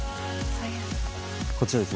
こちらです